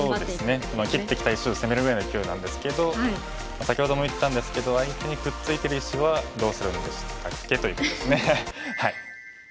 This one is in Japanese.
切ってきた石を攻めるぐらいのいきおいなんですけど先ほども言ったんですけど相手にくっついてる石はどうするんでしたっけ？ということですね。